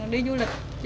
đi du lịch